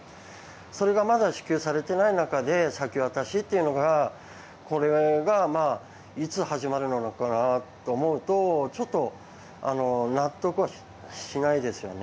それがまだ支給されていない中で先渡しというのがこれがいつ始まるのかなと思うとちょっと納得はしないですよね。